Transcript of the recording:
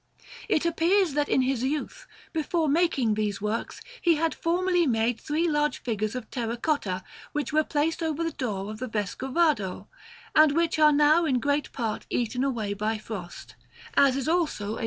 It appears that in his youth, before making these works, he had formerly made three large figures of terra cotta which were placed over the door of the Vescovado, and which are now in great part eaten away by frost, as is also a S.